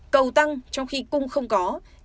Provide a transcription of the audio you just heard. cầu tăng trong khi cung không có